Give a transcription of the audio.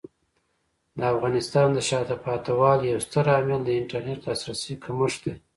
د افغانستان د شاته پاتې والي یو ستر عامل د انټرنیټ لاسرسي کمښت دی.